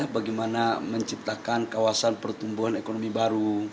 bagaimana menciptakan kawasan pertumbuhan ekonomi baru